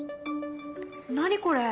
何これ？